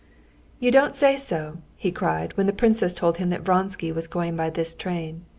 "You don't say so!" he cried, when the princess told him that Vronsky was going by this train.